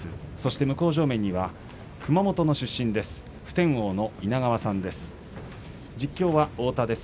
向正面は熊本の出身です。